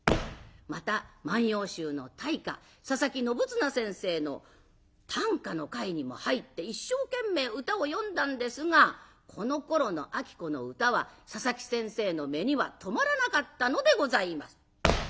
また「万葉集」の大家佐佐木信綱先生の短歌の会にも入って一生懸命歌を詠んだんですがこのころの子の歌は佐佐木先生の目には留まらなかったのでございます。